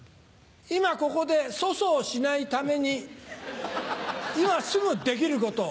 今ここで粗相をしないために今すぐできること。